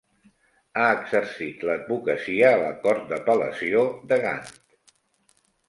Ha exercit l'advocacia a la Cort d'Apel·lació de Gant.